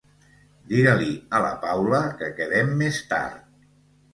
Diga-li a la Paula que quedem més tard